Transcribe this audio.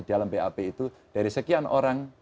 dalam bap itu dari sekian orang